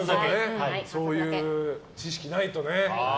そういう知識がないとね。